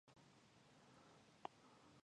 اوهووو ولې مو پرېښودله.